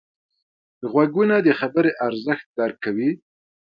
غوږونه د خبرې ارزښت درک کوي